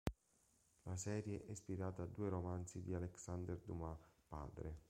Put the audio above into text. La serie è ispirata a due romanzi di Alexandre Dumas padre.